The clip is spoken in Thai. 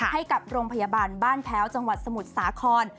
ให้กับโรงพยาบาลบ้านแพ้วจังหวัดสมุทรสาคร